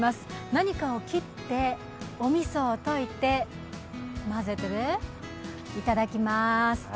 何かを切って、おみそを溶いて混ぜていただきまーすと